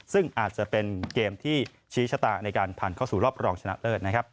ซึ่งอาจจะเป็นเกมที่ชี้ชะตาในการผ่านเข้าสู่รอบรองชนะเลิศนะครับ